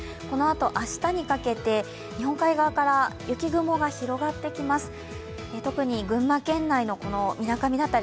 このあと明日にかけて、日本海側から雪雲が広がってきます。